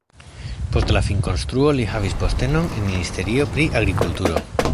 Post la finkonstruo li havis postenon en ministerio pri agrikulturo.